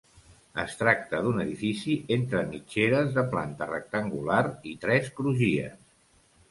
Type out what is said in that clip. Es tracta d'un edifici entre mitgeres de planta rectangular i tres crugies.